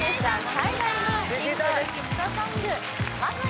最大のシングルヒットソング聴きたい！